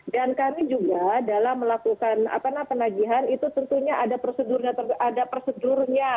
dan kami juga dalam melakukan penagihan itu tentunya ada prosedurnya